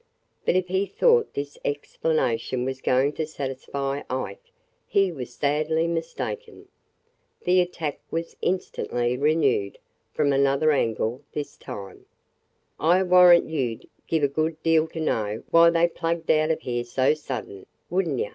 But if he thought this explanation was going to satisfy Ike, he was sadly mistaken. The attack was instantly renewed, from another angle this time. "I 'll warrant you 'd give a good deal to know why they plugged out o' here so sudden, would n't ye?"